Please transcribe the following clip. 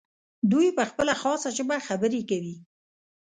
دوی په خپله خاصه ژبه خبرې کوي.